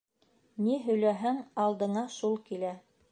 Ни һөйләһәң, алдыңа шул килә.